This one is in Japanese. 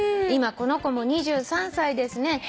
「今この子も２３歳ですね」